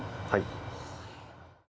はい。